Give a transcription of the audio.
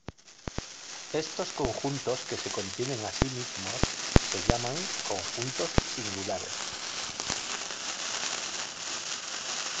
Estos conjuntos que se contienen a sí mismos se llaman "conjuntos singulares".